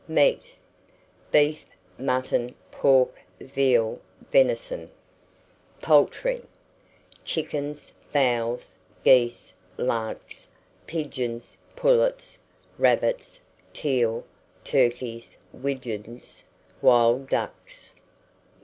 MEAT. Beef, mutton, pork, veal, venison. POULTRY. Chickens, fowls, geese, larks, pigeons, pullets, rabbits, teal, turkeys, widgeons, wild ducks.